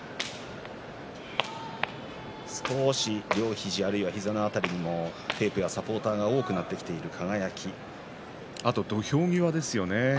少し両肘、あるいは膝の辺りにもテープやサポーターが多くなってきているあと土俵際ですね。